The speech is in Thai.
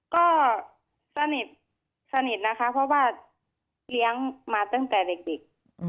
ก็สนิทสนิทนะคะเพราะว่าเลี้ยงมาตั้งแต่เด็ก